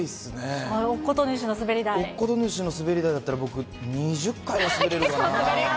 乙事主の滑り台だったら僕、２０回は滑れるかな。